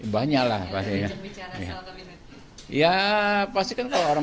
banyaklah ya ya pastikan kalau orang